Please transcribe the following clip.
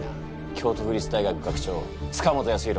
京都府立大学学長塚本康浩。